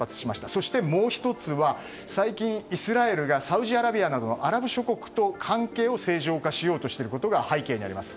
そしてもう１つは最近、イスラエルがサウジアラビアなどのアラブ諸国と関係を正常化しようということが背景にあります。